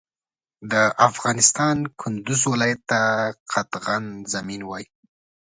د افغانستان کندوز ولایت ته قطغن زمین وایی